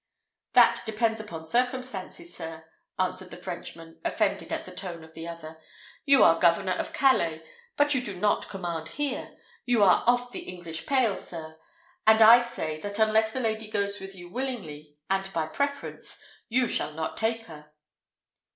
"That depends upon circumstances, sir," answered the Frenchman, offended at the tone of the other. "You are governor of Calais, but you do not command here. You are off the English pale, sir; and I say that unless the lady goes with you willingly and by preference, you shall not take her."